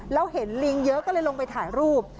แล้วเห็นลิงเยอะก็เลยลงไปถ่ายรูป